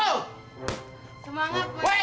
kan situ bota peuli